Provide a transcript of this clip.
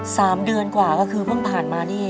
สามเดือนกว่าก็คือเพิ่งผ่านมานี่